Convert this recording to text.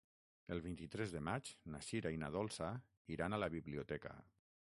El vint-i-tres de maig na Sira i na Dolça iran a la biblioteca.